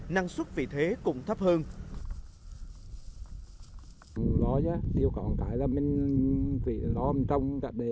năng suất vị thế cũng thấp hơn